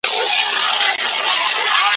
په لیدلو یو د بل نه مړېدلو ,